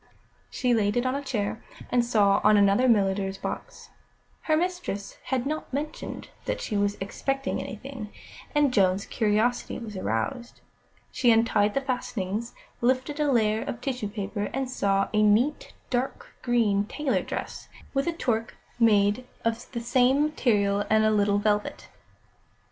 She laid it on a chair, and saw on another a milliner's box. Her mistress had not mentioned that she was expecting anything, and Joan's curiosity was aroused. She untied the fastenings, lifted a layer of tissue paper, and saw a neat, dark green tailor dress, with a toque made of the same material and a little velvet.